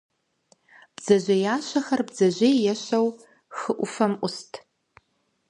Бдзэжьеящэхэр бдзэжьей ещэу хы Ӏуфэм Ӏусхэт.